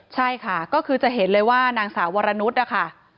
ใช่ค่ะก็คือจะเห็นเลยว่านางสาววรนุษย์นะคะ